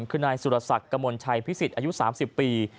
คือนายสุรษักรรมชัยภิกษิศอายุ๓๐ปี